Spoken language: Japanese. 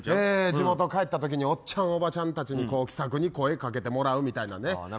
地元帰った時におっちゃん、おばちゃんたちに気さくに声掛けてもらうみたいなね。